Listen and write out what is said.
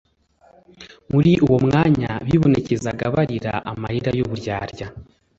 muri uwo mwanya bibonekezaga barira amarira y'uburyarya,